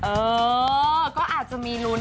เออก็อาจจะมีลุ้น